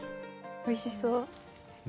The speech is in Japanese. おいしそう。